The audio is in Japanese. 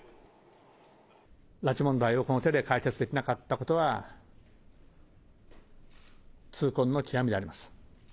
拉致問題をこの手で解決できなかったことは、痛恨の極みであります。